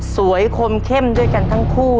คมเข้มด้วยกันทั้งคู่